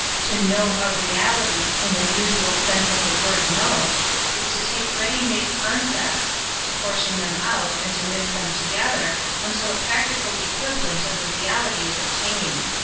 To know a reality, in the usual sense of the word " know," is to take ready made con cepts, to portion them out and to mix them together until a practical equivalent of the reality is obtained.